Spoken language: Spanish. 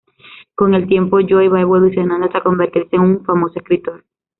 Con el tiempo Joe va evolucionando hasta convertirse en un famoso escritor.